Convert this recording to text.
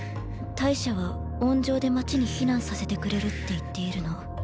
大社は温情で街に避難させてくれるって言っているの。